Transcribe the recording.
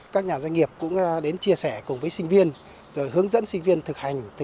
các nhà doanh nghiệp cũng đến chia sẻ cùng với sinh viên rồi hướng dẫn sinh viên thực hành